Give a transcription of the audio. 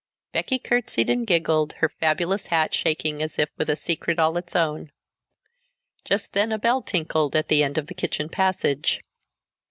Becky curtsied and giggled, her fabulous hat shaking as if with a secret all its own. Just then a bell tinkled, at the end of the kitchen passage.